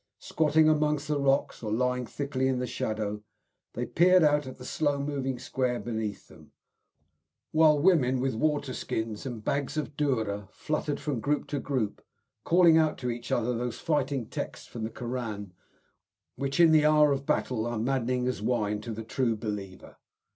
Squatting among the rocks, or lying thickly in the shadow, they peered out at the slow moving square beneath them, while women with water skins and bags of dhoora fluttered from group to group, calling out to each other those fighting texts from the Koran which in the hour of battle are maddening as wine to the true believer.